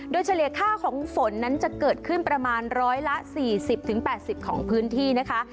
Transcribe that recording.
โดยเฉลี่ยค่าของฝนนั้นจะเกิดขึ้นประมาณร้อยละ๔๐๘๐ของพื้นที่นะคะ